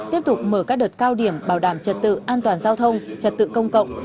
tiếp tục mở các đợt cao điểm bảo đảm trật tự an toàn giao thông trật tự công cộng